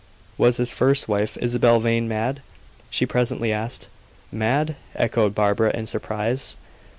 "Was his first wife, Isabel Vane, mad?" she presently asked. "Mad!" echoed Barbara, in surprise.